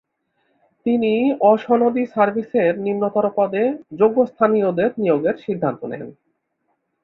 তিনি অ-সনদী সার্ভিসের নিম্নতর পদে যোগ্য স্থানীয়দের নিয়োগের সিদ্ধান্ত নেন।